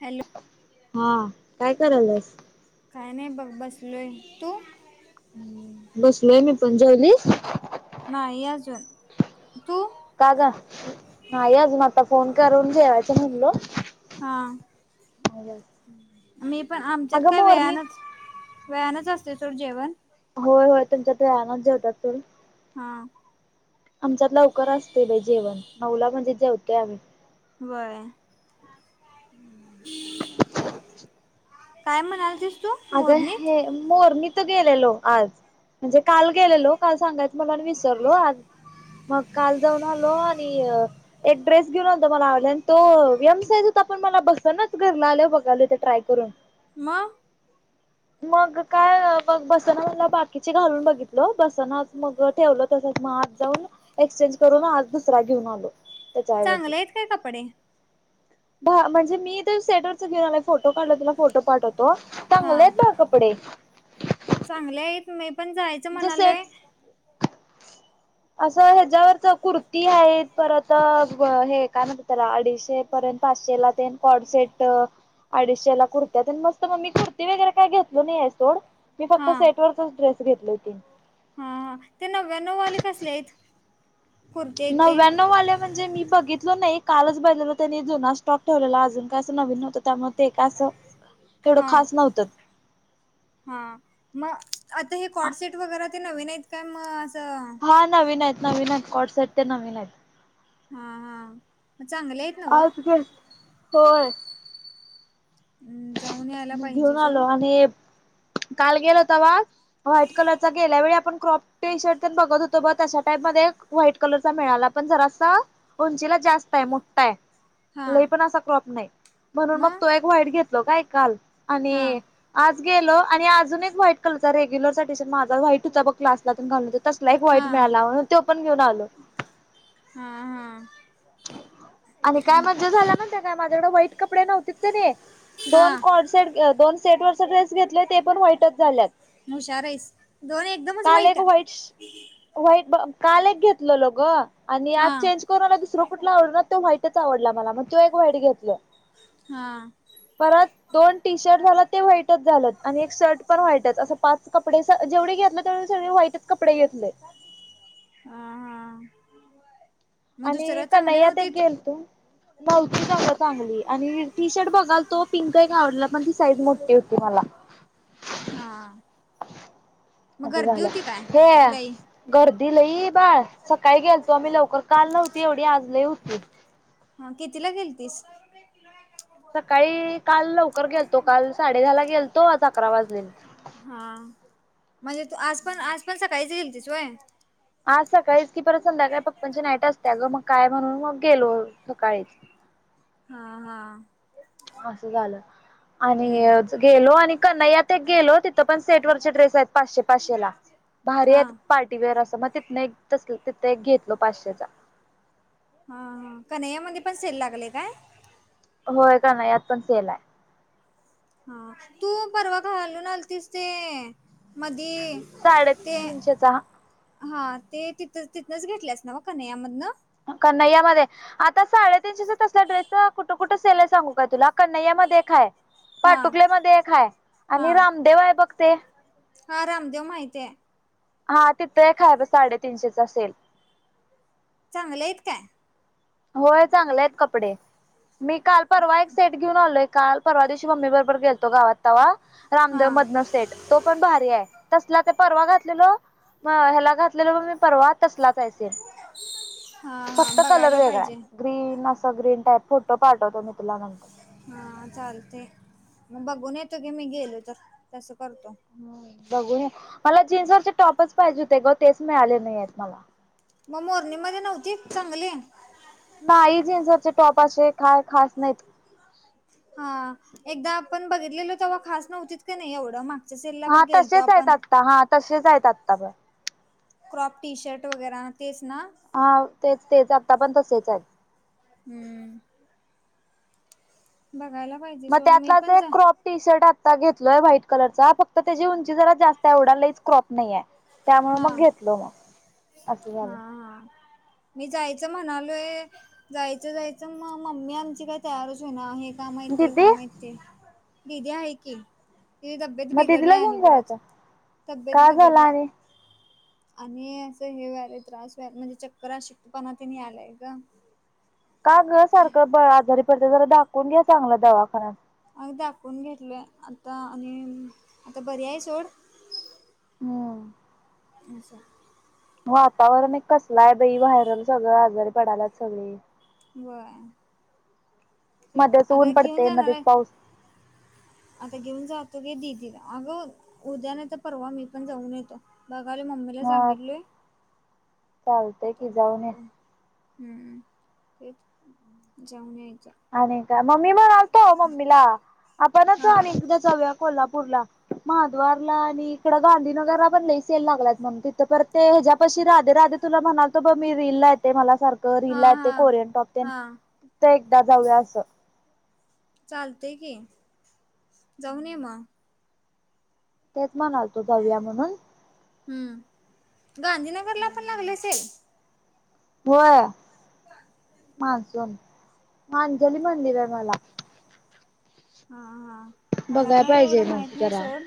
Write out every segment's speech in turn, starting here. Hello हा, काय करालस? काय नाही बघ बसलोय तू? बसलोय मी पण, जाेवलीस? नाही अजून तू? का ग? नाही अजून आता फोन करून जेवायचं म्हणलो. हा [unintelligible] मी पण, आमच्यात अगं काय मोरणीत वेळानच, वेळानच असतय सोड जेवण. होय, होय तुमच्यात वेळानच जेवतात तरी. हा. आमच्यात लवकर असतय बाई जेवण, नऊला म्हणजे जेवतोय आम्ही. व्हय. काय म्हणालतीस? तू अगं मोरणीत हे, मोरणी तर गेलेलो आज, म्हणजे काल गेलेलो काल सांगाय म्हणून विसरलो आज, मग काल जाऊन आलो आणि एक ड्रेस घेऊन आलतो, मला आवडला तो एम साईज होता, पण मला बसनाचं घरला आलोय बघालोय तर ट्राय करून. मग? मग काय, बसना म्हटलं बाकीचे घालून बघित लो, बसनाच मग ठेवलं तसच मग, आज जाऊन एक्सचेंज करून आज दुसरा घेऊन आलो. ते चार बजे. चांगले आहेत काय कपडे म्हणजे मी ते सेटवरच घेऊन आलो फोटो काढल तुला फोटो पाठवतो. चांगले हा, आहेत बघ कपडे चांगल्या आहेत मी पण जायच. म्हणजे सेट, असं ह्याच्यावरच कुर्ती आहेत, परत तर, हे काय म्हणत्यात त्याला, अडीचशे पर्यंत पाचशेला ते कॉडसेट अडीचशेला कुर्त्या मस्त मग, मी कुर्ती वगैरे काय घेतलो नाहीेय सोड. मी फक्त हा सेटवरचच ड्रेस घेतलो. हा, ते नव्यानववाले कसले आहेत? कुर्ते आहेत ते नव्याण्व आले म्हणजे मी बघितले नाहीं कालचं बहिले त्यांनी जुनां स्टॉक ठेवलेला अजूंन कायं असं नवीन नवतं त्यामुळें ते कां असं तेवढं खांस नव्हतं हां मंग आंता हे कॉड सेट वगैरें ते नवीन आहेत कायं मंग असं हां नवीन आहेतं नवीन आहेतं कॉडसेट ते नवीन आहेतं हां हां मंग चांगले आहेतं आवांज येतों आहे होयं अं, जाऊन यायला मं घेऊन पाहिजे आलो सोड आणि कांल गेलं होतां वां व्हाईट कलरचा गेल्यां वेळी आपणं क्रॉप टी शर्ट पणं बघतं होतो बरं तशा टाईप मध्यें व्हाईट कलर चा मिळांला पणं जरांसा उंचीला जास्तं आहे मोठां आहे लई हां पणं असां क्रॉप नाहीं म्हणूंन मंग मग तो एक वाईट घेतलं काऐकाल आणि हां आंज गेलो आणि आंज एक व्हाईट कलर होतां रेग्युलर टूंशन माझाच व्हाईट होतां बघं क्लासलांन घालूंन तसलां एक वाईट हां मिळांला म्हंण तो पणं घेऊन आलो हां हां आणि कायं म्हणजे झालां म्हणे त्यां कायं माझ्याकडे वाईट कपडे नव्हते ते नाहीं हां दोन कोडं दोन सेंट वरं ड्रेस घेतलेय ते पणं वाईटच झाल्यांत हुशा रईस दोन एकदमचं वाईट एक आहे व्हाईट व्हाईट कांल एक घेतलंलो गं आणि आंज हां चेंज करूंन आंला दुसरं कुंठला आवडतं तो व्हांईटच आवडला मलां मंग तो एक वाईट घेतलां हां परंत दोन टी शर्ट झालां ते व्हाईटच झालं आणि एक शर्ट पणं व्हाईटचं असं पांच कपडे जेवढे घेतलं सगळें व्हाईटचं कपडे घेतले हां हां मग आणि दुसरं चांगले कनैया ते नव्हतीत गेलं तूं नवती चांगलं चांगली आणि टी शर्ट बघावं तो पिंक आहे कां आवडला पणं ती साईज मोठी होती मलां हां आं मग असं गर्दी झालं होती काय हे लई गर्दी लई बाळं सकाळीं गेलतो आम्हीं लवकरं कांल नव्हती एवढी आंज लही होती हां कितीलां गेलं तीसं सकाळीं कांल लवकरं गेलतो कांल साडे दहा लां गेलतो आंज अकरा वाजले हां म्हणजे तूं आंजपणं आंजपणं सकाळी चं येईल होयं आंज सकाळी चं की परंत संध्याकाळी पप्पांची नाईट असते अं गं मंग कायं म्हणूंन मंग गेलो सकाळी चं हां हां असं झालं आणि हां गेलो आणि कनैया ते गेलो तिथं पणं सेट वरचे ड्रेस आहेतं पाचशे पाचशे लां भारी हां आहेतं पार्टीवेअर असं मंग तिथनं एक तसं तिं एक घेतलो पाचशेचा हां हां कन्हैयामध्यें पणं सेल लागलेय कायं होयं कायं कन्हैयांत पणं सेल आहे हां तूं पर्वा घालूंन आलतीस ते मधीई साडेतीनशेचा हं हां ते तिथं तिथनंच घेतलेस नां बां कन्हैया मधनं कन्हैयामध्यें आंता साडेतीनशेचा तसंल्या ड्रेसचं कुठं कुठं सेल्स आहे सांगू कायं तुंला कनै्या मध्यें खांय हा पाटुकल्या मध्यें एक खांय हा आणि रामदेव आहे बघते हा रामदेव माहितीये हा तिथं एक हाय ब साडेतीनशेचा सेल चांगलयेत काय? होय, चांगलयेत कपडे मी काल परवा एक सेट, घेऊन आलोय. काल परवा दिवशी मम्मी बरोबर गेलतो, गावात तवा हा रामदेव मधनं सेट, तो पण भारी हाय. तसला ते, परवा घातलेलो म ह्याला घात घातलेलो ब मी परवा, तसलाच आय सेम हा हा फक्त कलर बघायला वेग पाहिजे ग्रीन असां ग्रीन टाईप फोटो पाठवतो मी तुला नंतर हा चालतय. म बघून येतो की मी, गेलो तर तसं करतो. हं बघून ये. मला जीन्सवरचे टॉपच पाहिजे होते ग तेच मिळाले नाइयेत मला म मोरणीमध्ये नव्हती चांगली नाही जिन्सवरचे टॉप असे काय, खास नाहीत. हा एकदा आपण बघितलेलो तेवा खास नव्हतीत का नाय एवढं मा ते सेलला बघ हा गेलतो तसेच आहेत आपण आत्ता हा तसेच आहेत आत्ता पण क्राॅप टी-शर्ट वगैरा, तेच ना? हाव तेच तेच आता पण, तसेच आयेत. हम्म बघायला पाहिजे, सोड मी पण, जा टी-शर्ट आता घेतलोय व्हाईट कलरचा फक्त त्याची उंची जरा जास्तय एवढा लईच, क्रॉप नाहीये. त्यामुळ हा मग घेतलो म असं हा झालं. हा मी जायचं म्हणालोय, जायचं जायचं म मम्मी आमची काय तयारच होईना हे काम हाईत ती दिदी कामं हाईत ती, दिदी हाय की तिजी तब्येत मग दिदीला बिघडल्या आणि घेऊन परत जायचं तब्येत का झालं बिघडल्या आणि आणि, असं हे व्हायलय त्रास व्हाय म्हणजे चक्कर अशक्तपणा तिनी आलय ग का ग? सारखं ब आजारी पडते, जरा दाखवून घ्या चांगलं दवाखान्यात अग दाखवून घेतलय आता आणि, आता बरी हाय सोड हो. [unintelligible] वातावरण एक कसलं हाय बाई व्हायरल सगळं आजारी पडाल्यात सगळे व्हय. तेच मध्येच आता ऊन घेऊन पडतय जाणार मध्येच आहे पाऊस आता घेऊन जातो की, दीदीला अगं उद्या नायत परवा मी पण जाऊन येतो. बघाले मम्मीला सांगितले चालतंय की, जाऊन ये. जातो हम्म तेच जाऊन यायचं आणि काय म मी, म्हणालतो मम्मीला आपणच हां आणि एकदा जाऊया कोल्हापूरला महाद्वारला आणि इकडं गांधीनगरला पण, लई सेल लागल्यात म्हणून तिथं परत ते हेज्यापशी रा राधे तुला म्हणालतो, ब मी रीलला येतय. मला सारखं रीलला हां येतय. हां कोरियन टॉप तेन हां दा जाऊया असं चालतय की, जाऊन ये म तेच म्हणालतो जाऊया म्हणून हम्म, गांधीनगरला पण लागलय सेल होय. मान्सून अंजली म्हणली बाय मला हा, हा मला बघाय काय पाहिजे एवढं, मग माहीत नाय जरा सोड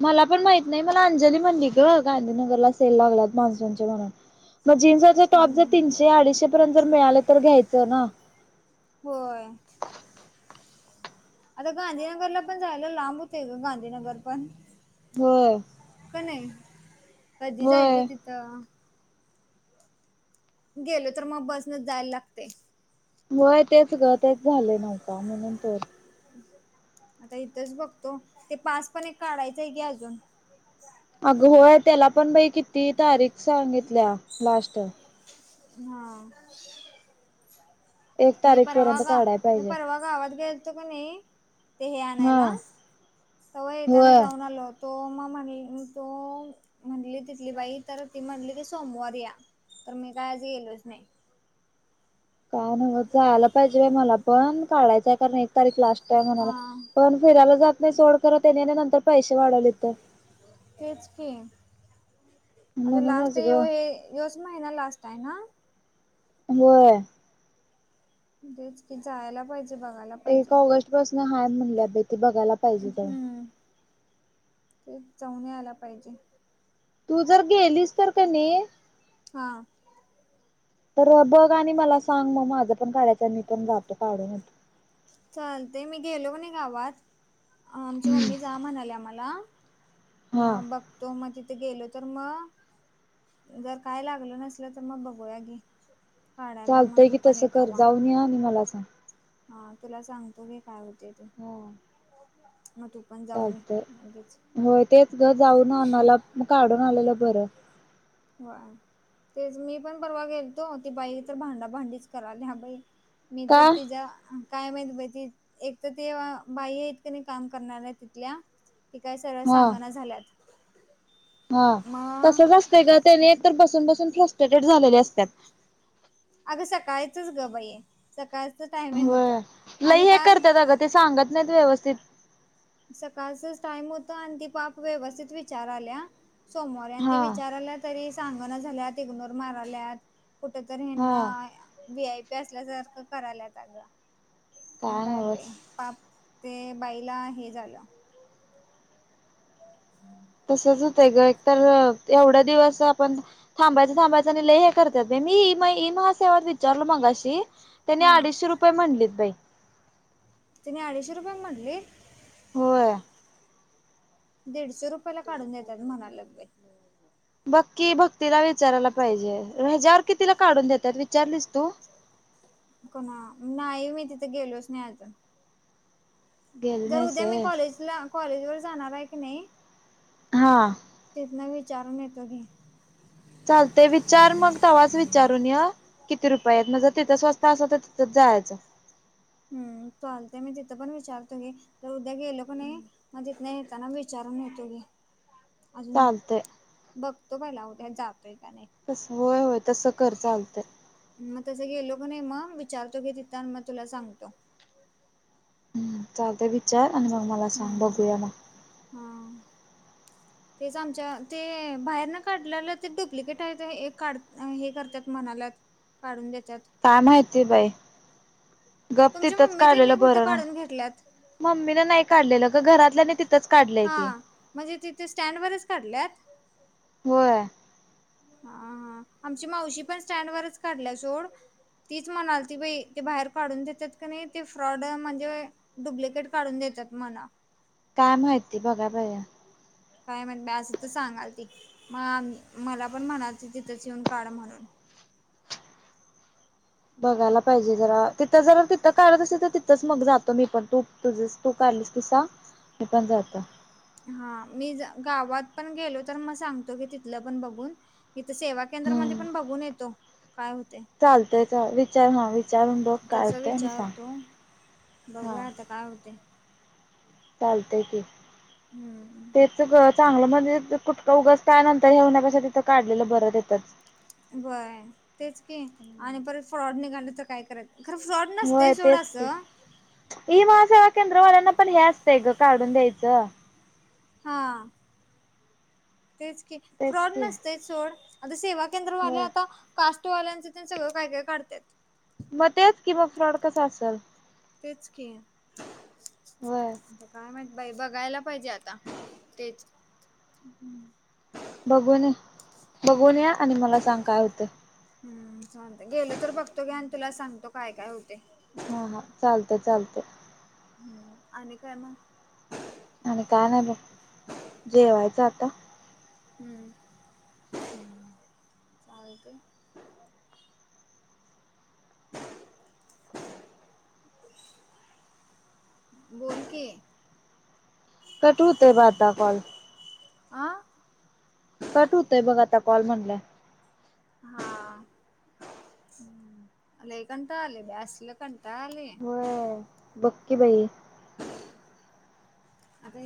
मला पण माहित नाही. मला अंजली म्हणली ग. गांधीनगरला सेल लागल्यात मान्सूनचे म्हणून म जिन्स जे टॉप जर हम्म तीनशे-अडीचशे पर्यंत जर मिळाले तर घ्यायचं ना? होय. आता गांधीनगरला पण जायला लांब होतय ग गांधीनगर पण. होय. क नाइ कधी होय जायचं तिथं? गेलो तर मग बसनच जायला लागतंय. होय तेच ग तेच झालय नव्हका म्हणून तर. [inaudible] आता इथंच बघतो ते पास पण एक काढायचंय की अजून. अग होय. त्याला पण बाई किती तारीख सांगितल्या लास्ट. हा एक मी तारीख परवा पर्यंत गा काढाय मी पाहिजे पररवा गावात घ्यालतो का नाही ते हे हा आणायला तवा येताना होय जाऊन आलो होत तो म म्हणली तो म्हणली तिथली बाई. तर ती म्हंटली की सोमवार या तर मी काय आज गेलोच नाही. काव नव्हच जायला पाहिजे बा मला पण काढायचंय कारण एक तारीख लास्ट. काय म्हणाला? हा पण फिरायला जात नाही सोड खर त्यानी आणि नंतर पैशे वाढवलीत तर तेच की आग लास्ट म्हणूनच ये व ग हे ह्योच महिना लास्ट हाय ना? होय. तेच की जायाला पाहिजे. बघायला एक पाहिजे ऑगस्ट पासन हाय म्हणल्यात बई ते बघायला पाहिजे तर ते जऊन यायला पाहिजे. तू जर गेलीस तर क नई हा. तर बघ आणि मला सांग मग माझं पण काढायचं आहे मी पण जातो काढून येतो. चालतय मी गेलो कणी गावात आमची मम्मी जा म्हणाल्या मला. हा मला मग बघतो मग तिथ गेलो तर मग जर काय लागलं नसल तर मग बघूया गे. काढायला मग तू पण ये तवा. न्हे आणि मला सांग. हा तुला सांगतो घे काय होतय ते. हा. म तु चालतय होय तेच ग जाऊन आणाला मग काढून आलेलं बरं. होय तेच मी पण परवा गेलतो ती बाई तर भांडाभांडीच कराल्या बाई. मी का जर त्या काय माहित बाई ती एक तर ते बाई आहेत क नाही काम करणाऱ्या तिथल्या की काय सरळ हा सांगना झाल्यात. हा मग तसच असतंय ग त्यानी एकतर बसून बसून फ्रस्ट्रेटेड झालेले असतात. अगं सकाळचच ग बाई सकाळच टायमिंग होत होय लई आणि हे काल करत्यात अगं ते सांगत नाहीत व्यवस्थित सकाळचच टाइम होत आणि ती पाप व्यवस्थित विचाराल्या सोमवारी आणि ती हा विचाराल्या तरी सांगना झाल्यात इग्नोर माराल्यात कुठ तरी हेंना हा वी आय पी असल्यासारखं करायल्यात अग. मग काय बाई पाप ते बाईला हे झालं [inaudible] तसच होतंय ग एक तर एवढ्या दिवस आपण थांबायचं थांबायचं नि लै हे करतात मी म इ महा सेवात विचारलो मगाशी. त्यानी हा अडीचशे रुपये म्हणलेत बाई. तिने अडीचशे रुपया म्हटली? होय. दीडशे रुपयाला काढून देतात म्हणायल्यात बाई. बक्की भक्तीला विचारायला पाहिजे, ह्याज्यावर कितीला काढून देतात विचारलीस तू? कोणा नाही मी तिथे गेलोच नाही अजून. गेली जर नाहीस उद्या मी होय कॉलेजला कॉलेज वर जाणार आहे की नाही हा. तिथन विचारून येतो घे. चालतय विचार मग, तव्हाच विचारून ये. किती रुपया आहेत नाग, जर तिथं स्वस्त असल तर तिथं जायचं. हम्, चालतय मी तिथं पण विचारतो घे, तर उद्या गेलो की नाही मग तिथंन येताना वि चारून येतो घे, अजून चालतंय. बघतो पहिला उद्या जातोय का नाही. तसं होय होय तसं कर चालतंय. मग तसं गेलो क नाही, मग विचारतो की तिथं, आणि मग तुला सांगतो. चालतय, विचार आणि मग मला सांग, हम्म बघूया मग. हा. [inaudible] तेच आमच्या ते बाहेर न काढल्याल ते डुप्लिकेट आहेत काढ हे करत्यात म्हणायल्यात. काढून देत्यात. काय माहितीय बाई गप तुमची तिथंच मम्मी त्यांनी काढलेलं कुठं बरं ना. काढून घेतल्यात मम्मी न नाही काढलेलं गं घरातल्याने तिथंच काढलंय हा की. म्हणजे तिथे स्टँड वरच काढल्यात? होय, हाहा, आमची मावशी पण स्टँड वरच काढल्या सोड. तीच म्हणाल ती बाई, ते बाहेर काढून देत्यात क नाही ते फ्रॉड म्हणजे डुप्लिकेट काढून देतात मन. काय माहिती, बघाय पायजे. काय म्हण, असं तर सांगाल ती, मग मला पण म्हणालती तिथंच येऊन काढ म्हणून. बघायला पाहिजे जरा, तिथं जरा तिथं काढत असेल तर च मग जातो मी पण, तू तुझ तू काढलीस की सांग मी पण जातो. हा, मी गावात पण गेलो, तर म सांगतो की तिथलं पण बघून. इथ सेवा केंद्रामध्ये पण बघून येतो, काय होतय. चालतय चा, विचार हा विचारून बघ काय तसं होतंय आणि विचारतो सांग हा. बघूया आता काय होतय? चालतय की. हम्म. तेच ग, चांगलं म्हणजे कुटकां उगसता नंतर हेेवण्यापेक्षा, तिथं काढलेलं बरत येतच. व्हय तेच की, आणि परत फ्रॉड निघालं तर काय करा खर फ्रॉड वय तेच की. ई महा सेवा केंद्रवाल्यांना पण हे असतंय ग, काढून द्यायचं. हा. तेच की, तेच फ्रॉड की नसतयच सोड. आता सेवा केंद्रवाले होय. आता कास्ट वाल्यांचं ते सगळं काय काय काढत्यात. म तेच की, म फ्रॉड कसा असेल? तेच की, होय आता काय माहिती? बाई बघायला पाहिजे आता. तेच. बघूनये. बघून या आणि मला सांग, काय होतय? हम्म, चालतय, गेल तर बघतो घ्या, आणि तुला सांगतो काय काय होतय. हा हा, चालतय चालतय. हम्म आणि काय मग? आणि काय नाही बघ. जेवायचं आता. हम्म. आणखी? बोल की. कट होतय ब आता कॉल. आ. कट होतय बघ आता कॉल म्हणलं. हा लेख कंटाळा आलाय आज तिला कंटाळा आलाय. म बगकी बाई. आता